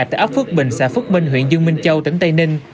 tại ấp phước bình xã phước minh huyện dương minh châu tỉnh tây ninh